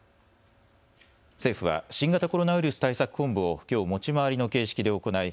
政府は新型コロナウイルス対策本部をきょう持ち回りの形式で行い